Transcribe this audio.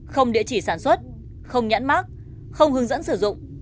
không địa chỉ sản xuất không nhãn mát không hướng dẫn sử dụng